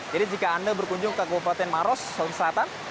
jadi jika anda berkunjung ke kabupaten maros sulawesi selatan